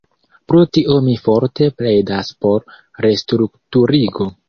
Pro tio mi forte pledas por restrukturigo.